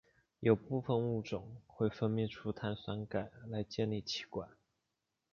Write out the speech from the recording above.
有部分物种会分泌出碳酸钙来建立栖管。